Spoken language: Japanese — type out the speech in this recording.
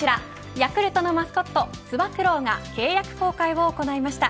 ヤクルトのマスコットつば九郎が契約更改を行いました。